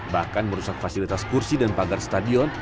bahkan merusak fasilitas kursi dan pagar stadion